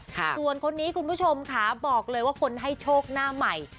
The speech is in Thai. ส่วนคนนี้คุณผู้ชมค่ะบอกเลยว่าคนให้โชคหน้าใหม่